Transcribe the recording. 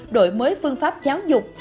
đổi mới phương pháp giáo dục